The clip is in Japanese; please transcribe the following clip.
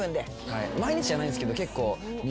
毎日じゃないですけど。